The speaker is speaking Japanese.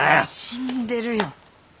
死んでるよ。